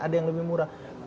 ada yang lebih murah